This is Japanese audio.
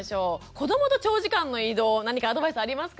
子どもと長時間の移動何かアドバイスありますか？